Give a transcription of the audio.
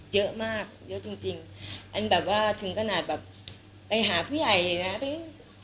เยอะมากเยอะจริงจริงอันแบบว่าถึงขนาดแบบไปหาผู้ใหญ่เลยนะ